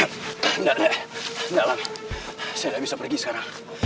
enggak enggak enggak alam saya gak bisa pergi sekarang